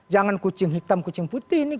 jangan kucing hitam kucing putih ini